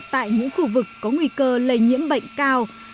tại những khu vực có nguy cơ lây nhiễm bệnh cao